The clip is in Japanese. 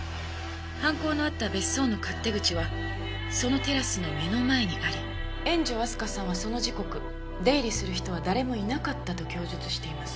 犯行のあった別荘の勝手口はそのテラスの目の前にあり円城明日香さんはその時刻出入りする人は誰もいなかったと供述しています。